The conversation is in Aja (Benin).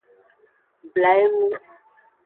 Bla enu.